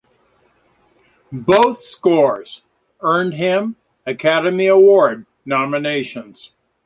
Both scores earned him Academy Award nominations.